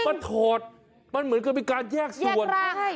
มันถอดมันเหมือนมีการแยกส่วน